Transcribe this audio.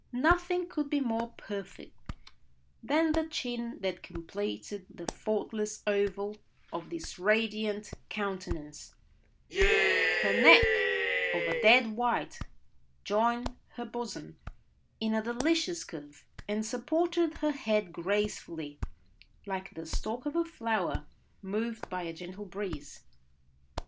Nothing could be more perfect than the chin that completed the faultless oval of this radiant countenance; her neck of a dead white, joined her bosom in a delicious curve, and supported her head gracefully like the stalk of a flower moved by a gentle breeze.